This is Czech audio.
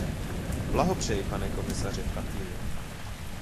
Blahopřeji, pane komisaři Frattini!